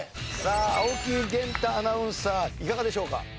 さあ青木源太アナウンサーいかがでしょうか？